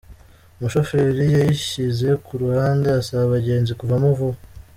Umushoferi yayishyize ku ruhande asaba abagenzi kuvamo vuba